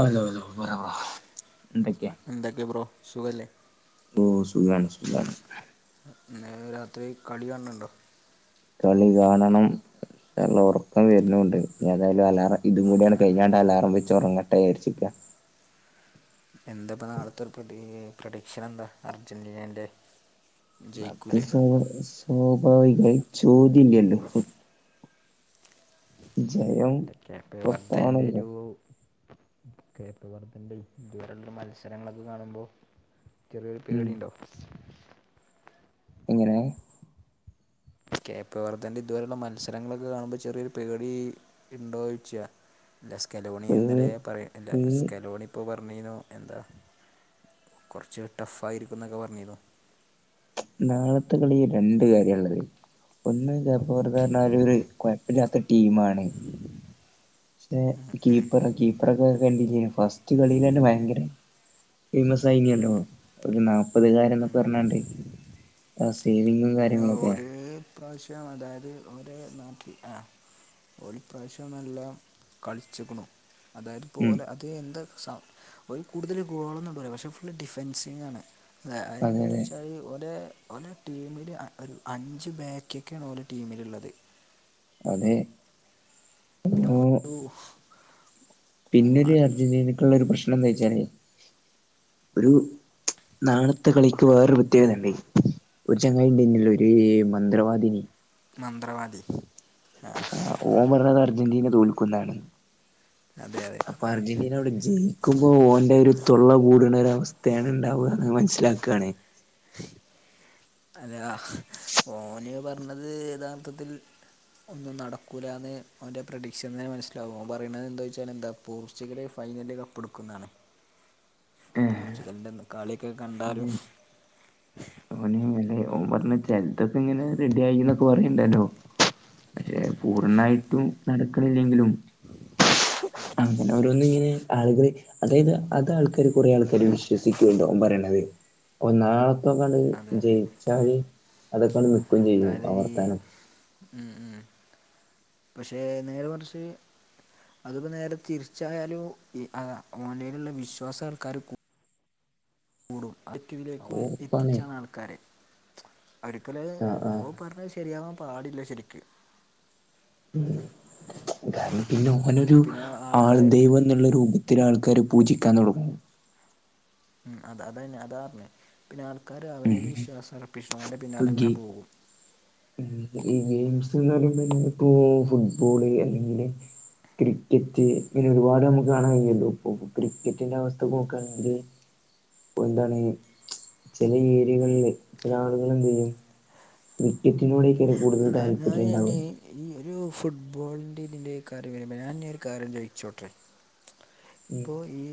Hello hello പറ പറ എന്തക്കെയാ എന്താക്കെ ബ്രോ സുഖല്ലേ ഓഹ സുഖാണ് സുഖാണ് ഇന്ന് രാത്രി കളി കാണുണ്ടോ കളി കാണണം നല്ല ഉറക്കം വരുന്നുന്നണ്ട് ഏതായാലും അലാറം ഇതും കൂടിയാണ്ട് കഴിഞ്ഞാണ്ട് അലാറം വെച്ച് ഉറങ്ങട്ടെ വെച്ചിരിക്കയാ എന്താപ്പ നാളത്തെ ഒരു പ്രതീ പ്രഡിക്ഷൻ എന്താ അർജന്റീനന്റെ അത് സ് സ്വാഭാവികമായി ചോദ്യം ഇല്ലല്ലോ ജയം ഇതൊക്കെ ഇപ്പൊ [unintelligible] ഉറപ്പാണല്ലോ ഒരു [unintelligible] മത്സരങ്ങളൊക്കെ കാണുമ്പോൾ ചെറിയൊരു ഉം പേടി ഉണ്ടോ എങ്ങനെ കെ പി [unintelligible] ഇതുവരെയുള്ള മത്സരങ്ങളൊക്കെ കാണുമ്പോൾ ചെറിയൊരു പേടി ഉണ്ടോഴിച്ചിയ ഇല്ല ഒരു സ്കലോണിന്നലെ പറയ ഇല്ല ഒരു സ്കലോണി ഇപ്പോൾ പറഞ്ഞീനു എന്താ കുറച്ച് ടഫ് ആയിരിക്കും എന്നൊക്കെ പറഞ്ഞീനു നാളത്തെ കളി രണ്ട കാര്യംള്ളത് ഒന്ന് ചെറപ്പോ പറഞ്ഞാലരു കുഴപ്പില്ലാത്ത ടീമാണ് പക്ഷെ ഉം ഉം. കീപ്പറ കീപ്പറൊക്കെ കണ്ടി ഫസ്റ്റ് കളിലെന്നെ ഭയങ്കര ഫേമസായിനല്ലോ ഒരു നാല്പ്പത് കാരൻ എന്നൊക്കെ പറഞ്ഞാണ്ട് ആ സേവിങ്ങ് അ ഒരു പ്രാവശ്യം അതായത് ഒര നാട്ടിൽ ആ ഓല് പ്പപ്രാവശ്യം നല്ലോം കളിച്ചിക്കണു ഉം അതായത്പലെ അ അത് എന്താ സം കൂടുതൽ ഗോളന്നടൂലാ പക്ഷെ ഫുള്ള് ഡിഫെൻസിംഗാണ് അത് അ അതെ അതെ എങ്ങനെച്ചാല് ഒലേ ഒലേ ടീമിന് ഒരു അഞ്ച് ബാക്കൊക്കെണ് ഓലെ ടീമിലുള്ളത് അതെ പിന്നെ അപ്പോ ഒട്ടൂ പിന്നെരു അർജന്റീനക്കള്ളരു പ്രശ്നന്താച്ചാല് ഒരു നാളത്തെ കളിക്ക് വേറൊരു പ്രത്യേകതണ്ട് ഒരു ചങ്ങായിണ്ടേനെല്ലോ ഒരു മന്ത്രവാദിനി മന്ത്രവാദി ആഹാ ഓൻ പറഞ്ഞത് അർജന്റീന തോൽക്കുന്നാണ് അതെ അതെ അപ്പൊ അർജന്റീന അവിടെ ജയിക്കുമ്പോൾ ഓന്റെരു തൊള്ള കൂടുണ ഒരു അവസ്ഥയാണ് ഉണ്ടാവാന്ന് മനസ്സിലാക്കാന്ന് അതെയാ ഓന് പറഞ്ഞത് യഥാർത്ഥത്തിൽ ഒന്നും നടക്കൂലാന്ന് ഓൻ്റെ പ്രൊഡിക്ഷൻന്നെ മനസ്സിലാവും പറയണുത് എന്തോച്ചാൽ എന്താ പോർച്ചുഗല് ഫൈനല് കപ്പ് ടുക്കുന്നാണ് പോർച്ചുഗലിന്റെന്ന് കളിക്കെ കണ്ടാലും [unintelligible] മെല്ലെ ഓ പറഞ്ഞ ചെലത്തൊക്കെങ്ങനെ റെഡിയായിന്നൊക്കെ പറയിണ്ടല്ലോ പക്ഷെ പൂർണ്ണായിട്ടും നടക്കണില്ലെങ്കിലും അങ്ങനെ ഓരോന്നങ്ങനെ ആളുകൾ അതായത് അത് ആൾക്കാര് കുറെ ആൾക്കാർ വിശ്വസിക്കുണ്ടോ പറയണത് നാ കാണ്ട് അതെ അതെ ജയിച്ചാല് അതൊക്കെ നി അതായത് ഈ ഉം ഉം പക്ഷെ നേരെ മർച്ച് അതിപ്പോ നേര തിരിച്ചായാലും ഓൻ്റെലുള്ള വിശ്വാസാൾക്കാർ കൂടും അറ്റതിലേക്ക് ഓപ്പാണേ എത്തിച്ചാണ് ആൾക്കാരെ അടക്കല് ആ ആ പറഞ്ഞത് ശരിയാവാൻ പാടില്ല ശരിക്ക് പിന്നെ ഓനൊരു പിന്നെ ആൾ ആൾക്കാർക്ക് ദൈവൻ ള്ളരൂപത്തിൽ ആൾക്കാര് പൂജിക്കാൻ തുടങ്ങും അത് അതന്നെ അതാറിഞ്ഞേ പിന്നെ ആൾക്കാർ ഉം അവനിൽ വിശ്വാസം അറപ്പിച്ചോണ്ട് ഇപ്പൊ പിന്നാലങ്ങനെ ഗെ പോകും ഈ ഗെയിംസ്ന്ന് പറയുമ്പോപ്പോ ഫുട്ബോള് അല്ലെങ്കില് ക്രിക്കറ്റ്ങ്ങനെ ഒരുപാട് നമുക്ക് കാണാൻ കിയുള്ളു ഇപ്പൊ ക്രിക്കറ്റിന്റെവസ്ഥ നോക്കുണെങ്കില് എന്താണ് ചില ഏരിയകളിൽ ചില ആളുകൾ എന്തയ്യും ക്രിക്കറ്റിനോടായിരിക്കും കൂടുതൽ അല്ല ഞാൻ താല്പര്യം ഉണ്ടാവ ഇനി ഈ ഒരു ഫുട്ബോളിന്റെതിന്റെ കാര്യം വരുമ്പോ ഞാൻ ഒരു കാര്യം ചോയിച്ചോട്ടെ ഉം പ്പോ ഈ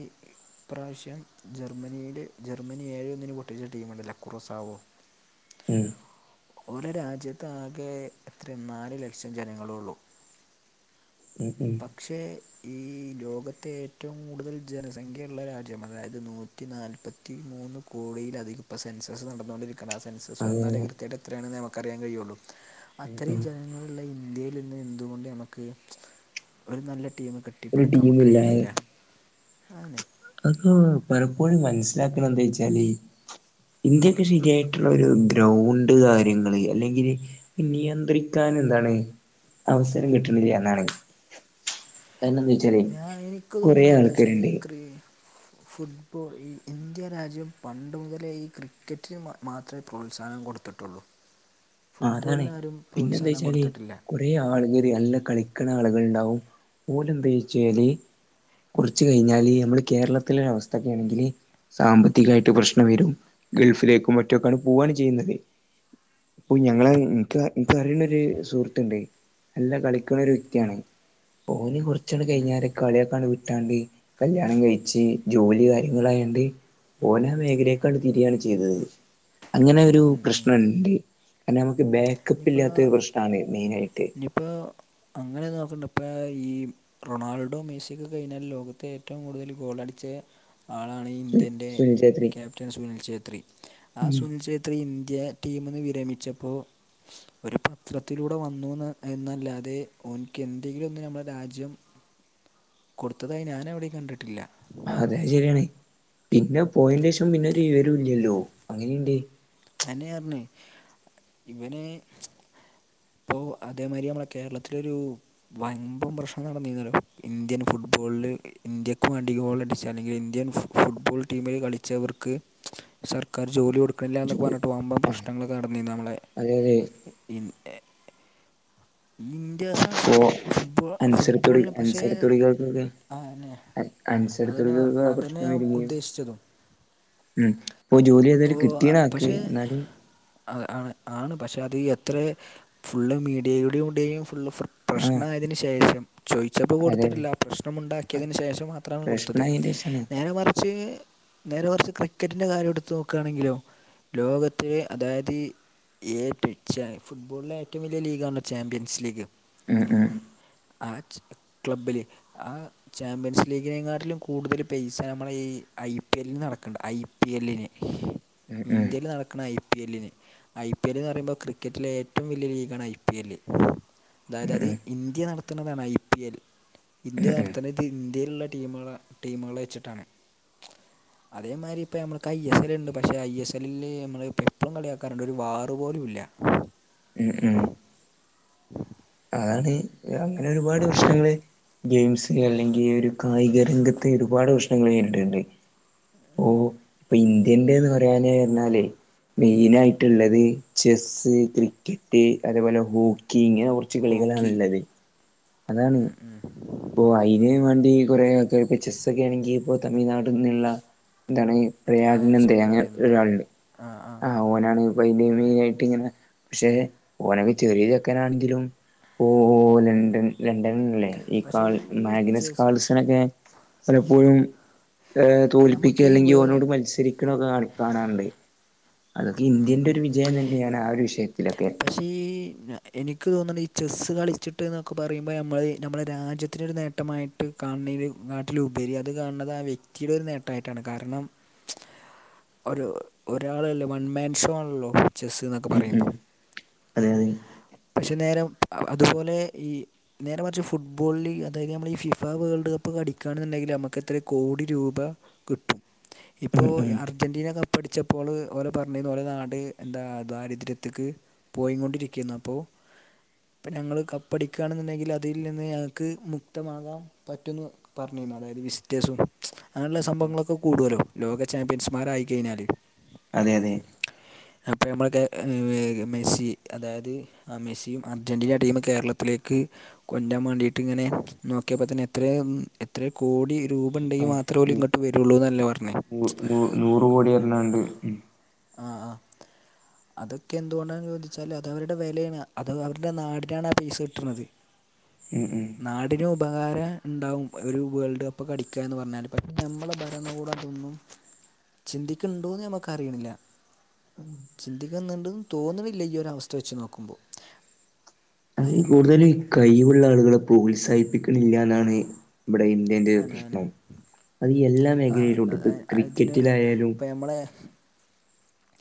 പ്രാവശ്യം ജർമ്മനിൽ ജർമ്മനി ഏഴോ ഒന്നിന് പൊട്ടിച്ച ടീംണ്ടല്ല ക്റോസാവോ ഉം ഓലരാജ്യത്താകെ ത്ര നാല് ലക്ഷം ജനങ്ങളള്ളു ഉം ഉം പക്ഷേ ഈ ലോകത്തെറ്റവും കൂടുതൽ ജനസംഖ്യള്ള രാജ്യം അതായത് നൂറ്റി നാല്പ് പത്തിമൂന്ന് കോടിയിലധം ഇപ്പ സെൻസേസ് നടന്നുകൊണ്ടിരിക്കണ ആഹ് സെൻ അങ്ങനെ [unintelligible] കൃത്യയിട്ട് എത്രയാണെന്ന് നമുക്ക് റിയാൻ കഴിയുള്ളൂ ഉം അത്രയും ഉം ജനങ്ങൾ ല്ല ഇന്ത്യയിൽന്ന് എന്തുകൊണ്ട് നമക്ക് ഒരു നല്ല ടീമ് കി ഒരു ടീമില്ലായി ആന്ന് അത് പലപ്പോഴും മനസ്സിലാക്കണന്താച്ചാല് ഇന്ത്യക്ക് ശരിയായിട്ടുള്ള ഒരു ഗ്രൗണ്ട് കാര്യങ്ങള് അല്ലെങ്കിൽ നിയന്ത്രിക്കാൻ എന്താണ് അവസരം കിട്ടണ്ടില്ല്യന്നാണ് [unintelligible] ഞാ എനിക്ക് തോന്നണന്താ ച്ചാല് ഈ ക്രി ഫുട്ബോൾ ഈ ഇന്ത്യ രാജ്യം പണ്ട് മുതലേ ഈ ക്രിക്കറ്റിന് മാത്രേ പ്രോത്സാഹനം കൊടുത്തിട്ടുള്ളൂ ആ ഫുട്ബോളിനാരും പ്രോത്സാഹനം കൊടുത്തിട്ടില്ല കറേ ആളുകൾ അല്ല കളിക്കണാ ളുകൾ ഉണ്ടാവും ഓലന്താച്ചല് കുർച്ച് കഴിഞ്ഞാല് നമ്മള് കേരളത്തിലൊരു അവ ണെങ്കിൽ സാമ്പത്തികായിട്ട് പ്രശ്നം വരും ഗൾഫിലേക്കും മറ്റൊക്കെ പോവാണ് ചെയ്യുന്നത് പ്പൊ ഞങ്ങള് ഇൻക് ഇൻക് അറിണൊരു സുഹൃ ട്ട്ണ്ട് നല്ല കളിക്കണ ഒരു വ്യക്തിയാണ് ഓന് കുറച്ചട് കഴിഞാരെ കളിയക്കാണ് വിട്ടാണ്ട് കല്യാണം കഴിച്ച് ജോലി കാര്യങ്ങളായണ്ട് ഓനെ മേഖലയെകാണ്ട് തിരിയാണ് ചെയ്തത് അങ്ങനെ ഒരു ഉം ഉം. പ്രശ്നണ്ട് കരണം നമ്മക്ക് ബാക്കക്ക് ഇല്ലാത്തൊരു പ്രശ്നാണ് മെയിനയിട്ട് പ്പോ അങ്ങനെ നോക്കണ്ട ഇപ്പോ ഈ റൊണാൾഡോ മെസിക്കെ കഴിഞ്ഞാൽ ലോകത്തെ ഏറ്റവും കൂടുതൽ ഗോളടിച്ചേ ആളാണ് സുനി ഇന്ത്യൻ്റെ സുനിൽ ഛേത്രി ക്യാപ്റ്റൻ സുനിൽ ഛേത്രി ആ ഉം സുനിൽ ഛേ ത്രി ഇന്ത്യ ടീമെന്ന് വിരമിച്ചപ്പോ ഒരു പത്രത്തിലൂടെ വന്നുന്ന് എന്നല്ലാതെ ഓൻക്ക് എന്തെങ്കിലൊന്ന് നമ്മുളെ രാജ്യം കൊടുത്തതായി ഞാനെവിടേം കണ്ടിട്ടില്ല അതെ അത് ശരിയാണ് പിന്നെ പോയന്റെഷം പിന്നെ ഒരു വിവരുല്ല്യല്ലോ അങ്ങനീണ്ട് അതെന്നെർഞ്ഞെ ഇവന് ഇപ്പോ അതേമാതിരി നമ്മളെ കേരളത്തിലൊരു വൻമ്പം പ്രശ്നം നടന്നിന്നല്ലോ ഇന്ത്യൻ ഫുട്ബോൾല് ഇന്ത്യക്ക് വേണ്ടി ഗോൾ അടിച്ച അല്ലെങ്കിൽ ഇന്ത്യൻ ഫുട്ബോൾ ടീമിൽ കളിച്ചവർക്ക് സർക്കാർ ജോലി കൊടുക ജോ ർഞ്ഞിട്ട് വമ്പം ആഹ് പ്രശ്നങ്ങളൊക്കെ നടന്നീർന്നു നമ്മളെ അതെ അതെ ഇൻ [unintelligible] ഇന്ത്യ സ ഇപ്പോ ഫുട്ബോൾ അൻസർത്തുടി ഫുട്ബോളിന് പക്ഷേ അൻസർത്തുടികൾക്കൊക്കെ ആ അന്നെ അതെന്നെ അൻസർത്തുടികൾക്ക് അതന്നെ പ്രശ്നം വരികയും ഉദ്ദേശിച്ചതും ഉം ഇപ്പൊ ജോലി ഏതരു കിട്ടിണാക്ക് ന്നാലും അ ആണ് ആണ് പക്ഷെ അത് എത്ര ഫുള്ള് മീഡി [unintelligible] ഫുള്ള് പ്ര ആഹ് പ്രശ്നായതിന് ശേഷം ചോയിച്ചപ്പോ അതെ കൊടുത്തിട്ടില്ല അതെ പ്രശ്നമുണ്ടാക്കിയതിന് ശേഷം മാത്രാണ് കൊടുത്തത് പ്രശ്നം അയിന്റെഷാണ് നേരെ മറിച്ച് നേരെ മറിച്ച് ക്രിക്കറ്റിന്റെ കാര്യം എടുത്തു നോക്കായാണെങ്കിലോ ലോകത്ത് അതായത് ഏ [unintelligible] ഫുട്ബോളിലെ ഏറ്റവും വലിയ ലീഗാണല്ലോ ചാമ്പ്യൻസ് ലീഗ് ഉം ഉം ആ ച്ച് ക്ലബ്ലില് ആ ചാമ്പ്യൻസ് ലീഗിനെങാട്ടിലും കൂടുതൽ പൈസ നമ്മുടെ ഈ ഐ പി എല്ലന് നടക്കുന്നുണ്ട് ഐ പി എല്ലിന് ഉം ഉം ഇന്ത്യയിൽ നടക്ക്ണ ഐ ഐ പി എല്ലിന് ഐ പി എല്ല എന്ന് പറയുമ്പോൾ ക്രിക്കറ്റിലെ ഏറ്റവും വലിയ ലീഗാണ് ഐ പി എല്ല് അതായത് ഉം അത് ഉം ഇന്ത്യ നടത്തണതാണ് ഐ പി എൽ ഇന്ത്യ ഉം നടത്തുന്നത് ഇന്ത്യയിലുള്ള ടീമ ടീമുകളെ വെച്ചിട്ടാണ് അതേമാതിരി ഇപ്പ ന [unintelligible] ഐ എസ് എല്ല ഉണ്ട് പക്ഷേ ഐ എസ് എല്ലിൽ നമ്മൾ എപ്പോഴും കളിയാക്കാറുണ്ട് ഒരു വാറ് പോലുംല്ല ഉം ഉം അതാണ് അങ്ങനെ ഒരുപാട് പ്രശ്നങ്ങള് ഗെയിംസ് അല്ലെങ്കി ഒരു കായിക രംഗത്ത് ഒരുപാട് പ്രശ്നങ്ങൾ നേരിട്ണ്ട്. ഇപ്പൊ ഇന്ത്യന്റെന്ന് പറയാന് പറഞ്ഞാല്. മെയിനായിട്ടുള്ളത് ചെസ്സ് ക്രിക്കറ്റ് അതേപോലെ ഹോക്കി ഇങ്ങനെ. കച്ച ഹോക്കി കളികളാണുള്ളത് അതാണ്. ഇപ്പൊ അയിന് വേണ്ടി കുറെേക്കെ ഇപ്പ ചെസ്സൊക്കെ ആണെങ്കി ഇപ്പോ തമിഴ്നാട് നിന്നുള്ള എന്താണ്. ആ പ്രയാഗൻന്ത ചെറുക്കൻ അങ്ങനെ എന്താ ഒരാളണ്ട് ആ ഓനാണ്പ്പ ഒരു മെയിന ആയിട്ട് ഇങ്ങനെ. പക്ഷെ ഓനെക്കെ ചെറിയ ചെക്കാനാണെങ്കിലും ഓ ലണ്ടൻ ലണ്ടനിലല്ലേ. ഈ പക്ഷേ കാൾ ഈ മാഗ്നസ് ചെസ്സ് കാൾസനൊക്കെ. പലപ്പോഴും ഏ നമുക്ക് തോൽപ്പിക്കുക ഈ അല്ലെങ്കിൽ വേ ഓനോട് മത്സരിക. ക്രിക്കൊക്കെ കാണാറുണ്ട് അതൊക്കെ ഇന്ത്യന്റെ ഒരു വിജയം തന്നെയാണ് ആ ഒരു വിഷയത്തിലൊക്കെ. പക്ഷേ ഈ എനിക്ക് തോന്നുണ് ഈ ചെസ്സ് കളിച്ചിട്ട് എന്നൊക്കെ പറയുമ്പോ നമ്മൾ നമ്മുളെ രാജ്യത്തിനൊരു നേട്ടം. നേട്ടമായിട്ട് കാണുന്ന നാട്ടിലുപരി അത് കാണുന്നത് ആ വ്യക്തിയുടെ ഒരു നേട്ടായിട്ടാണ് കാരണം! ഒരു ഒരാളല്ലേ വൺമാൻഷോ ആണല്ലോ. ചെസ്സ് എന്നൊക്കെ ഉം ഉം പറയുമ്പോൾ അതെ അതെ. പക്ഷെ നേരം അതുപോലെ ഈ. നേരെ മറിച്ച് ഫുട്ബോളിൽ അതായത് നമ്മൾ ഈ ഫിഫ വേൾഡ് കപ്പ് അടിക്കുകയാണെന്നുണ്ടെങ്കിൽ നമുക്ക് എത്ര കോടി രൂപ- ക്ട്ടും. ഇപ്പോ ഉം ഉം അർജന്റീന കപ്പ് അടിച്ചപ്പോൾ ഓലെ പറഞ്ഞീന്നു ഓലെ നാട് എന്താ ദാരിദ്ര്യത്തക്ക്- പോയികൊണ്ടിരിക്കുന്നു അപ്പോ. ഇപ്പം ഞങ്ങൾ കപ്പ് അടിക്കുകയാണെന്നുണ്ടെങ്കിൽ അതിൽ നിന്ന് ഞങ്ങൾക്ക് മുക്തമാകാം. പറ്റന്നു പർഞ്ഞിന്നു അതായത് വിസ്റ്റേഴ്സും അങ്ങനെയുള്ള ഉം ഉം സംഭവങ്ങളൊക്കെ കൂടലോ ലോക ചാമ്പ്യൻസ്മാരായി കഴിഞ്ഞാല്. അതെ യതെ. അപ്പൊ നമ്മളെ ക്കെ ഏഹ് മെസ്സ് ഇ അതായത് ആഹ് മെസിയും അർജന്റീന ടീം കേരളത്തിലേക്ക് കൊൻ്റ്രാൻ വേണ്ടിയിട്ട് ങ്ങനെ നോക്ക്യപ്പോത്തിന് എത്രോ [unintelligible] എത്രോകോടി രൂ പണ്ടെങ്കി ആഹ് മാത്രേ ഓല് നൂ ങ്ങോട്ട് വെരൊള്ളൂ ന്നല്ലേ പർഞ്ഞേ. നൂ നൂ നൂറ് കോടി പർഞ്ഞാണ്ട് ഉം ആഹ് ആഹ്. അതൊക്കെ എന്ത്കൊണ്ടാെന്ന് ചോദിച്ചാല് അത് അവരുടെ വെലെണ് അത് അവര്ടെ നാടിനാണ പൈസ കിട്ട്ന്നത്. ഉം ഉം. നാടിന് ഉപകാര ണ്ടാവും ഒരു വേൾഡ് കപ്പ് പഠിക്കാന്ന് പർഞ്ഞാല് [unintelligible] നമ്മളെ [unintelligible] ഞമ്മളെവെടതോന്നും ചിന്തിക്ക്ണ്ടോന്ന് നമക്കറീല്ല. ആഹ് ചിന്തിക്കാൻ വേണ്ടി തോന്നണില്ല ഈ ഒരവസ്ഥ വെച്ച് നോക്കുമ്പോ. [unintelligible] കൂടുതല് കൈവുള്ളാളുകളെ പ്രോത്സാഹിപ്പിക്ക്ണില്ലന്നാണ് ഇവടെ ഇം അയ്ന്റെ അങ്ങനെ പ്രശ്നം അത് എല്ലാ മേഖലയിലുണ്ട് [unintelligible] അതിന് ക്രിക്കറ്റിലായാലും. നമ്മളെ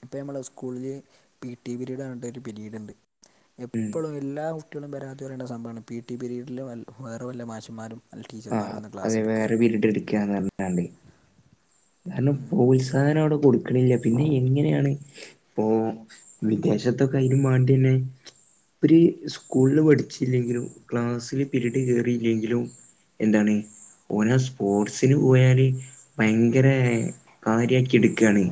ഇപ്പ നമ്മളെ സ്കൂളില് പി ടി പിരീഡാവുമ്പോ ഒരു പിരീഡ്ണ്ട് ഉം എപ്പൊളായ എല്ലാ സ്‌കൂളിലും പരാതി പറെണ സംഭവാണ് പി ടി പിരീഡില് വേറ വല്ല മാഷമ്മാരും ആഹ് അതെ വേറെ പിരീഡ് ഇട്ക്കാന്ന് പർഞ്ഞ്ക്കാണ്ടെ അയ്ന് പ്രോത്സാഹനവടെ കൊട് ക്ക്ണില്ല പിന്നെ എങ്ങനെണ് പ്പൊ വിദേശത്തൊക്കെ അയ്നും മാണ്ട്യെന്നെ ഇവര് സ്കൂളില് പഠിച്ചില്ലെങ്കിലും ക്ലാസ്സില് പിരീഡ് കേറില്ലെങ്കിലും എന്താണ് ഓലെ സ്പോർട്സിന് പോയാലും ഭയങ്ക ങ്കരായ് കാര്യക്കിട്ക്കാണ്.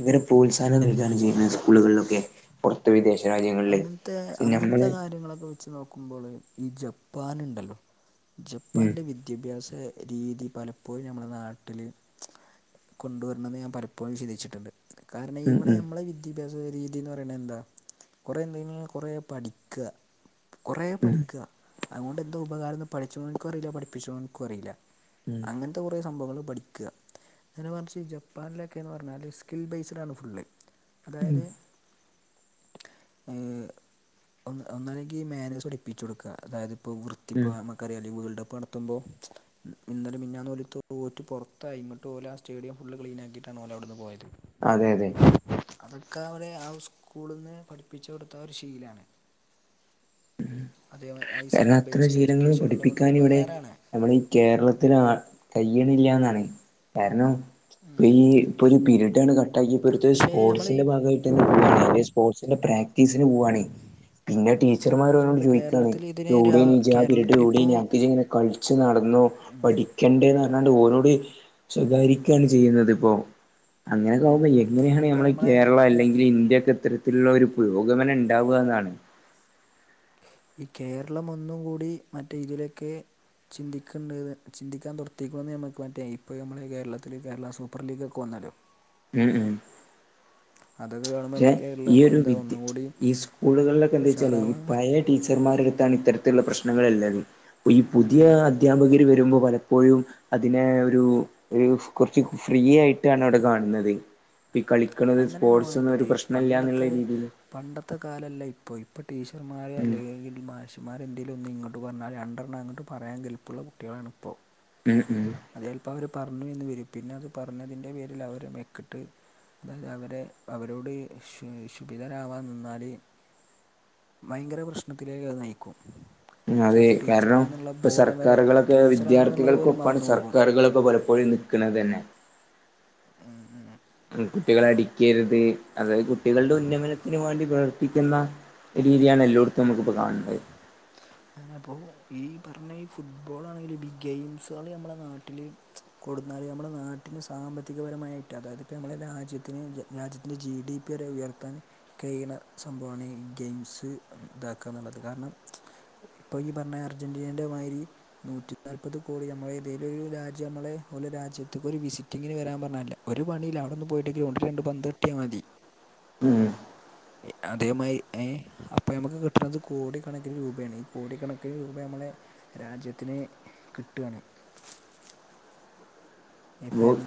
ഇവരെ പ്രോത്സാഹനം നൽക്കാണ് ചെയ്യുന്നത് സ്കൂളുകളിലൊക്കെ. പൊർത്ത് വിദേശ രാജ്യങ്ങളില് അങ്ങനത്തെ ക്ഷേ അങ്ങനത്തെ ഞമ്മള് കാര്യങ്ങളൊക്കെ വെച്ച് നോക്കുമ്പോള് ഈ ജപ്പാന്ണ്ടല്ലോ ഉം ജപ്പാന്റെ വി ദ്യാഭ്യാസ രീതി പലപ്പോഴു ഞമ്മളെ നാട്ടില് കൊണ്ടു വരണെന്ന് ഞാൻ പലപ്പോഴും ചിന്തിച്ചിട്ട്ണ്ട് കാരണം ഉം ഇവടെ ഉം ഞമ്മളെ വിദ്യാഭ്യാസ രീതിന്ന് പറിണെന്താ ഇവടെന്തോന്നാ കൊറേ പഠിക്ക കൊറേ പഠിക. ഉം അതൊണ്ടെന്ത ഉപകാരന്ന് പഠിച്ച്ന്നോൻക്കറില്ല പഠിപ്പിച്ണോൻക്കുറീല്ല അങ്ങൻ ത്തൊരൊ സംഭവങ്ങൾ പഠിക നേരെ മറിച്ച് ജപ്പാൻലൊക്കെന്ന് പർഞ്ഞാല് സ്കിൽ ബേയ്‌സിലാണ് ഫുള്ള് ഉം അതായത് ഏഹ് ഒന്ന് ഒന്നാണെങ്കി മേനേയ്‌സ് പടിപ്പിച്ചോട്ക അതായത് ഇപ്പോ വൃ ത്തിപ്പോ ഉം നമ്മക്കറിയാലോ വേൾഡപ്പ് നടത്തുമ്പോ ഇ ഇന്നലെ മിഞ്ഞാന്ന് ഓല് തോറ്റ് പൊർത്തായി ഇങ്ങട്ടോല് ആ സ്റ്റേഡിയം ഫുള് ക്ലീനാക്കിട്ടാണ് ഓലവ്ട്ന്ന് പോയത്. അതെ യതെ അതൊക്കേ അവടെ ആ സ്കൂള്ന്ന് പഠിപ്പിച്ചോട്ത്ത ഒരു ശീലാണ്. അതെ അയ് കാരണം സ്കിൽ അത്തരം ബെയ്സിലെജുക്കേഷന്ള്ളോണ്ട് ഉപകാരാണ്. കേരളത്തില് ആ കയ്യിണില്ല ന്നാണ് കാരണം [unintelligible] ഇപ്പ ഒരുപിരീഡാണ്ട് കട്ടാക്കി ക്കൊട്ത്ത് പക്ഷേ നമ്മൾ സ്പോർട്സിന്റെ ഭാഗയിട്ടെന്നെ പോവാണ് എന്തേ സ്പോർട്സിന്റെ പ്രാക്ടീസിന് പോവാണ് പിന്നെ ടീച്ചർമാരോ പക്ഷേ രോട് നമ്മൾ ചോയ്കാണ് കേരളത്തിൽ ഇതിനെ ഒരു യൗടേനി ജ് ആ പരീഡ് കേരളത്തിലിപ്പോൾ യൗടേനി അൻക് ജ് ങ്ങനെ കളിച്ച് നടന്നോ പഠി കണ്ടേന്ന് പർഞ്ഞാണ്ട് ഓലോട് ശകാരിക്കാണ് ചെയ്യുന്നത് പ്പോ അങ്ങനക്കാവുമ്പോ എങ്ങനെയാണ് ഇപ്പോൾ ഞമ്മളെ നമ്മളെ കേരള ഈ അല്ലെങ്കിൽ ഇന്ത്യാക്കെ ത്ര ക്കെള്ളോരുപുരോഗമനണ്ടാവന്നാണ്. ഈ കേരളം ഒന്നും കൂടി മറ്റേ ഇതിലെക്കെ ചിന്തിക്ക്ണ്ട്ന്ന് ചിന്തിക്കാൻ തോട്ത്തീക്ണു ഞമ്മക്ക് മറ്റേ ഇപ്പോയുംമ്മളെ കേരളത്തില് കേരള സൂപ്പർ ലീഗ്ഒക്കെ വന്നത് ഉം ഉം അതൊക്കെ കാണുമ്പോൾ പക്ഷേ നമ്മുടെ ഈ കേരളം ഒരു എന്താ വിദ്യ ഒന്നും കൂടി [inaudible] ഈ സ്കൂളുകളിലൊക്കെന്താ ച്ചാല് ഈ ഉഷാറാവാൻ പയേ ടീച്ചർമാരട്ത്താണ് ഇത്തരത്തിലുള്ള പ്രശ്നങ്ങളല്ലത് പ്പൊ ഈ ഉം പുതിയ ഉം ഉം. അധ്യാപകര് വരുമ്പോ പല പ്പോഴും അതിനെ ഒരു ഒരു കുറച്ച് ഫ്രീ ആയിട്ടാണ് ആവുടെ കാൺണത് പ്പ ഇ കളിക്കണത് അങ്ങനെയാണ് സ്പോർട്സ്ഒന്നും വേണ്ടത് ഒരു പ്രശ്നല്ലന്ന്ള്ള പണ്ടത്തെ രീതിയില് പണ്ടത്തെ കാലല്ലപ്പോ ഇപ്പോ ടീച്ചർമാർ ഉം അല്ലെങ്കിൽ മാഷിമാര് എന്തെങ്കിലും ഒന്ന് ഇങ്ങോട്ട് പറഞ്ഞാൽ രണ്ടെണ്ണം അങ്ങോട്ട് പറാൻ ഗൽപ്പുള്ള കുട്ട്യാളാണിപ്പോൾ ഉം ഉം അതേല്പ്പം അവര് പറഞ്ഞുന്നൊക്കെ വരും പിന്നെ അത് പറഞ്ഞതിന്റെ പേരിൽ അവരമെക്കട്ട് അതായത് അവരെ പ്പ അവരോട് ശു ശുഭിതരാവാൻ നിന്നാല് ഭയങ്കര പ്രശ്നത്തിലേക്ക് അഹ് നയിക്കും അതെ ചിലപ്പോൾ കാരണം ടീച്ചറാണെന്നുള്ള പ്പൊ ബോധം വരെ സർക്കറുകളൊക്കെ ടീച്ചറാണെന്നുള്ളത് പോലും വിദ്യാർത്ഥികൾക്കൊപ്പാണ് മറന്നു സർ പോകും കാറ്കളൊക്കെ പലപ്പോഴും നിക്ക്ണതന്നെ ഉം ഉം മ് കുട്ടികളെ അടിക്കരുത് അതായത് കുട്ടികളുടെ ഉന്നമനത്തിനന് മാണ്ടി പ്രവർത്തിക്കുന്ന രീതിയാണ് എല്ലോട്ത്തും നമുക്ക്പ്പോ കാണത് [inaudible] അങ്ങനെപ്പോ ഈ പറഞ്ഞഈ ഫുട്ബോളാണെങ്കിലും ഇ ഗെയിംസാള്അമ്മളെനാട്ടില് കൊട്ന്നാല് ഞമ്മളെനാട്ടില് സാമ്പത്തികപരമായിട്ട് അതായത് ഞമ്മളെ ടെ രാജ്യത്തിന് രാജ്യത്തിൻറെ ജി ഡി പി വരെ ഉയർത്താൻ കഴിയുന്ന സംഭവമാണ്ഈ ഗെയിംസ്തക്ക ന്ന്ള്ളത് കാരണം ഇപ്പൊ ഈ പറഞ്ഞ അർജന്റനന്റെ മാതിരി നൂറ്റി നാല്പത് കോടി ഞമ്മളെ ഏതേലും ഒരു രാജ്യഅമ്മളെ ഓല രാജ്യത്ത്ക്ക് ഒരു വിസിറ്റിങ്ങിന് വരാൻ പറഞ്ഞതല്ല ഒരു പണില്ല അവിടെന്ന് പോയിട്ട് ഗ്രൗണ്ടിൽ രണ്ട് പന്തട്ടിയാ മതി ഉം എ അതേമായി എ അപ്പൊ ഞമ്മക്ക് കിട്ട്ണത് കോടിക്കണക്കിന് രൂപയാണ് ഈ കോടിക്കണക്കിന് രൂപ ഞമ്മളെ രാജ്യത്തിന് കിട്ടാണ് എപ്പം എം